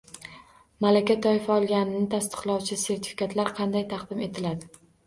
Malaka toifa olganligini tasdiqlovchi sertifikatlar qanday taqdim etiladi?